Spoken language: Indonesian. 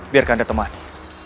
biarkan dinda temani